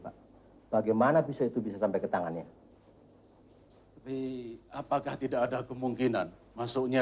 pak bagaimana bisa itu bisa sampai ke tangannya tapi apakah tidak ada kemungkinan masuknya